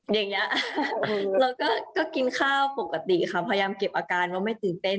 อย่างนี้เราก็กินข้าวปกติค่ะพยายามเก็บอาการว่าไม่ตื่นเต้น